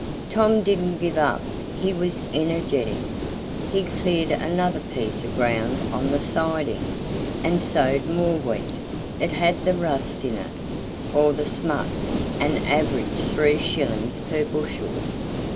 Tom didn't give up he was energetic. He cleared another piece of ground on the siding, and sowed more wheat; it had the rust in it, or the smut and averaged three shillings per bushel.